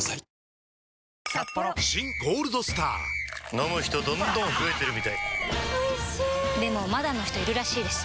飲む人どんどん増えてるみたいおいしでもまだの人いるらしいですよ